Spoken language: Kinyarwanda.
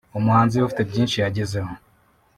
umuhanzi ufite byinshi yagezeho